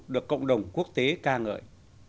được cộng đồng quốc tế ca ngợi